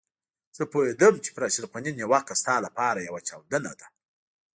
زه پوهېدم چې پر اشرف غني نيوکه ستا لپاره يوه چاودنه ده.